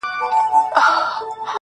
زما سره اوس لا هم د هغي بېوفا ياري ده~